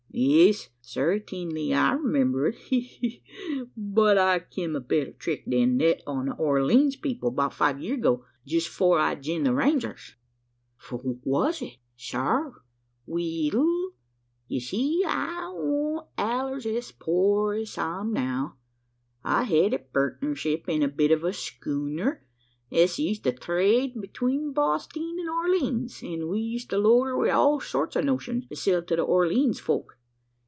"Yees; certingly I remember it he, he, he! But I kim a better trick then thet on the Orleens people 'bout five yeer ago jest 'fore I jined the Rangers." "Fwhat was it, shure?" "We ell, ye see, I wan't allers es poor es I'm now. I hed a pertnership in a bit o' a schooner, es used to trade 'tween Bosting an' Orleens, an' we used to load her wi' all sorts o' notions, to sell to the Orleens folk.